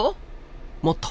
もっと。